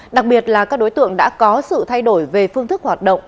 đặc biệt là các đối tượng đã có sự thay đổi về phương thức hoạt động